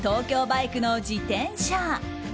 バイクの自転車。